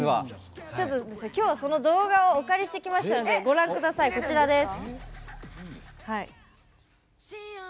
今日は、その動画をお借りしてきましたのでこちらです。